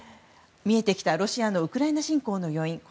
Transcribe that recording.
見えてきたロシアのウクライナ侵攻の要因。